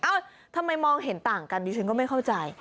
ทำไมมองเห็นต่างกันดิฉันก็ไม่เข้าใจ